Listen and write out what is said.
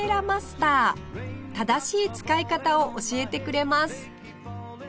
正しい使い方を教えてくれます